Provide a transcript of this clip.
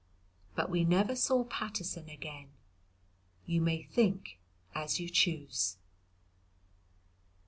But we never saw Paterson again. You may think as you choose.